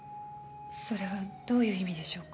それはどういう意味でしょうか？